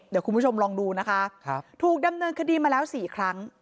เดี๋ยวคุณผู้ชมลองดูนะคะ